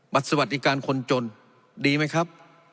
สวัสดีการคนจนดีไหมครับ